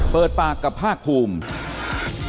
เปิดปากพากภูมิ